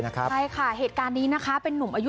ใช่ค่ะเหตุการณ์นี้นะคะเป็นนุ่มอายุ